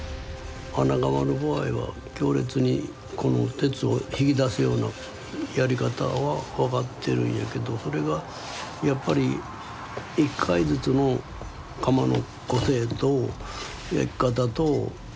穴窯の場合は強烈にこの鉄を引き出すようなやり方は分かってるんやけどそれがやっぱり１回ずつの窯の個性と焼き方とによっても全て変わってくる。